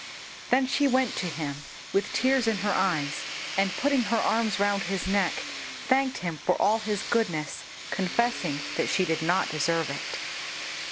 Then she went to him with tears in her eyes, and putting her arms round his neck, thanked him for all his goodness, confessing that she did not deserve it.